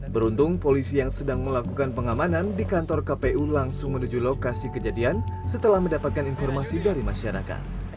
beruntung polisi yang sedang melakukan pengamanan di kantor kpu langsung menuju lokasi kejadian setelah mendapatkan informasi dari masyarakat